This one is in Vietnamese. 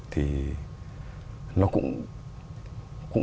thì nó cũng